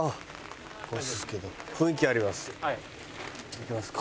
行きますか。